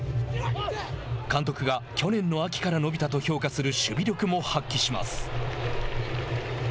監督が去年の秋から伸びたと評価する守備力も発揮します。